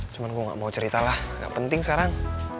cuman gua nggak mau cerita lah nggak penting sekarang